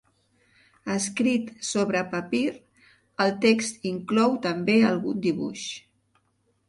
Escrit sobre papir, el text inclou també algun dibuix.